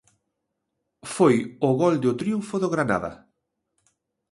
Foi o gol do triunfo do Granada.